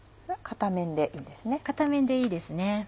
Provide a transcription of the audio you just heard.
片面でいいですね。